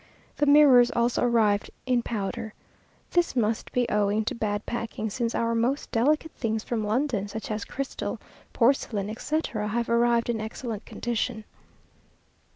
The mirrors also arrived in powder. This must be owing to bad packing, since our most delicate things from London, such as crystal, porcelain, etc., have arrived in excellent condition.